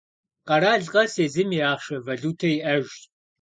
Къэрал къэс езым и ахъшэ – валютэ иӏэжщ.